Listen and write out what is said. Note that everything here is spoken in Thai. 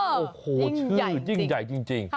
โอ้โหชื่อยิ่งใหญ่จริง